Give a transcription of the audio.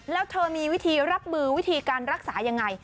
แล้วเธอมีวิธีรับมือวิธีการรักษายังไง